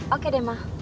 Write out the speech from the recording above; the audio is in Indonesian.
oke deh ma